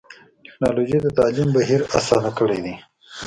ټکنالوجي د تعلیم بهیر اسان کړی دی.